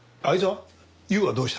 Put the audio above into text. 悠はどうした？